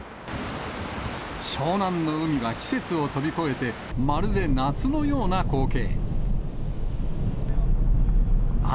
湘南の海は季節を飛び越えて、まるで夏のような光景。